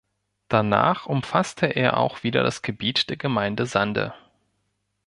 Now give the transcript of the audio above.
Danach umfasste er auch wieder das Gebiet der Gemeinde Sande.